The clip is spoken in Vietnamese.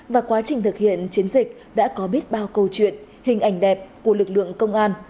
và quá trình thực hiện chiến dịch đã có biết bao câu chuyện hình ảnh đẹp của lực lượng công an